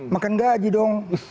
makan gaji dong